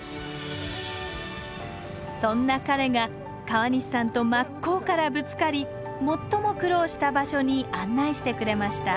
そんな彼が川西さんと真っ向からぶつかり最も苦労した場所に案内してくれました